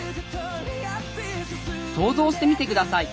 想像してみてください